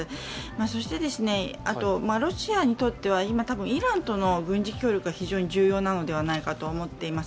そして、ロシアにとっては今、たぶんイランとの軍事協力が非常に重要なのではないかと思っています。